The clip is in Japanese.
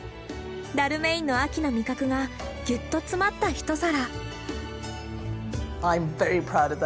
ダルメインの秋の味覚がぎゅっと詰まった一皿。